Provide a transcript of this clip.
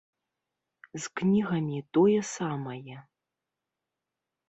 З кнігамі тое самае.